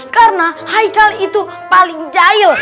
karena haikal itu paling jahil